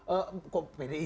ada bang herman ada juga